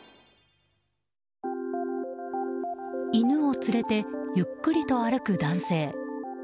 犬を連れてゆっくりと歩く男性。